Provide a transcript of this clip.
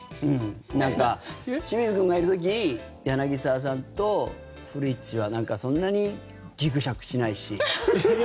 清水君がいる時柳澤さんと古市はそんなにぎくしゃくしないし。